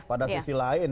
pada sisi lain